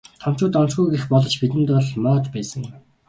Томчууд онцгүй гэх боловч бидэнд бол моод байсан юм.